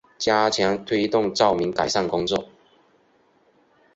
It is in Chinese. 加强推动照明改善工作